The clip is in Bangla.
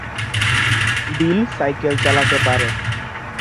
বিল সাইকেল চালাতে পারে।